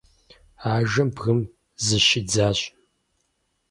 Ажэм бгым зыщидзащ.